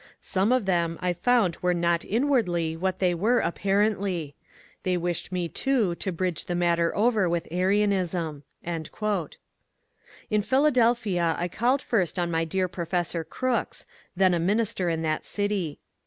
Some of them I found were not inwardly what they were apparently. They vrished me too to bridge the matter over with Arianism." In Philadelphia I called first on my dear Professor Crooks, then a minister in that city.